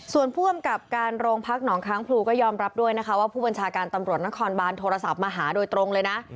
ส่วนผู้กำกับการโรงพักหนองค้างพลูก็ยอมรับด้วยนะคะว่าผู้บัญชาการตำรวจนครบานโทรศัพท์มาหาโดยตรงเลยนะ